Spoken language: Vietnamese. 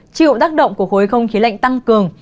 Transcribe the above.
chịu tác động của khối không khí lạnh tăng cường